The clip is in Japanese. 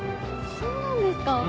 そうなんですか？